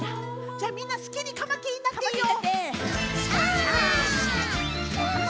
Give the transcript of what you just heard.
じゃあみんなすきにカマキリになっていいよ。